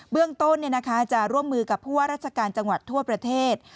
เรื่องต้นจะร่วมมือกับผู้ว่าราชการจังหวัดทั่วประเทศ